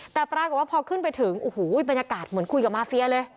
แต่ปรากฏว่าพอขึ้นไปถึงโอ้โหบรรยากาศเหมือนคุยกับมาเฟียเลย